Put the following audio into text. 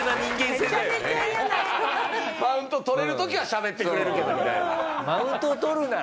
マウント取れる時はしゃべってくれるけどみたいな。